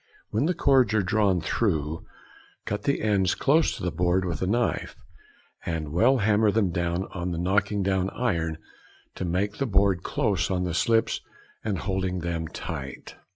When the cords are drawn through, cut the ends close to the board with a knife, and well hammer them down on the knocking down iron to make the board close on the slips and hold them tight.